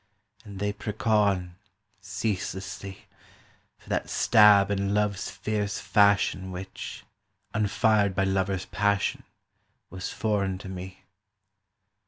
And they prick on, ceaselessly, For that stab in Love's fierce fashion Which, unfired by lover's passion, Was foreign to me.